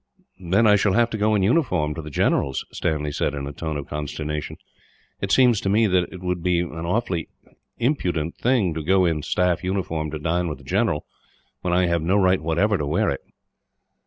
"Then I shall have to go in uniform to the general's," Stanley said, in a tone of consternation. "It seems to me that it would be an awfully impudent thing, to go in staff uniform to dine with the general, when I have no right whatever to wear it."